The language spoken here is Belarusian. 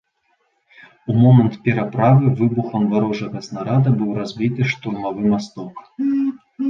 У момант пераправы выбухам варожага снарада быў разбіты штурмавы масток.